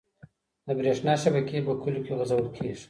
د بريښنا شبکي په کليو کي غځول کيږي.